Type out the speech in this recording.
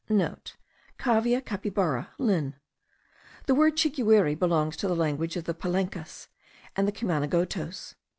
(* Cavia capybara, Linn. The word chiguire belongs to the language of the Palenkas and the Cumanagotos.